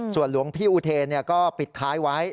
ส่วนหลวงพี่อุเทนก็ปิดท้ายไว้